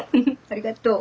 ありがとう。